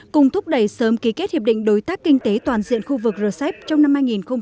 cùng thúc đẩy sớm ký kết hiệp định đối tác kinh tế toàn diện khu vực rcep trong năm hai nghìn hai mươi